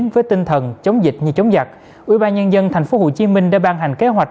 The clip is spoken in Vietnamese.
với tinh thần chống dịch như chống giặc ủy ban nhân dân tp hcm đã ban hành kế hoạch